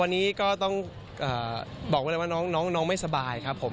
วันนี้ก็ต้องบอกไว้เลยว่าน้องไม่สบายครับผม